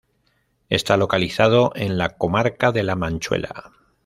Está localizado en la comarca de la Manchuela.